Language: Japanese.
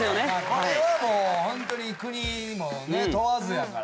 これはもうホントに国もね問わずやから。